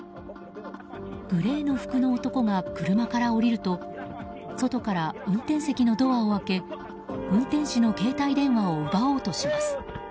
グレーの服の男が車から降りると外から運転席のドアを開け運転手の携帯電話を奪おうとします。